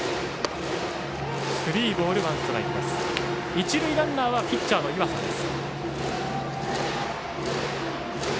一塁ランナーはピッチャーの岩佐です。